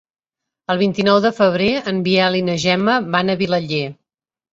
El vint-i-nou de febrer en Biel i na Gemma van a Vilaller.